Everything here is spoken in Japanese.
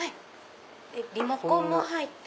リモコンも入って。